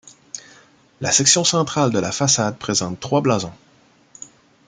La section centrale de la façade présente trois blasons.